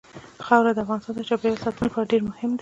خاوره د افغانستان د چاپیریال ساتنې لپاره ډېر مهم دي.